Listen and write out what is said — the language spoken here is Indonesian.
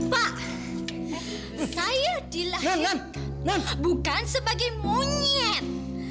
pak saya dilahirkan bukan sebagai monyet